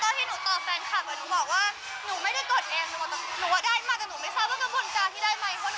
แต่หนูไม่ทราบว่ากระบวนการที่ได้มา